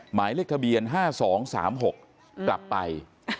หมายเลขทะเบียน๕๒๓๖กลับไป